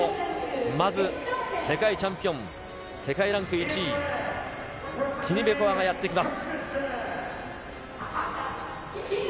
まず世界チャンピオン、世界ランク１位、ティニベコワがやって来ます。